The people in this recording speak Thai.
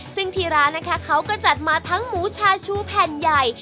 ซึ่งที่ร้านนะคะเขาก็จัดมาทั้งหมูชาชูแผ่นใหญ่